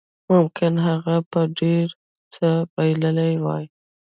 ممکن هغه به ډېر څه بایللي وای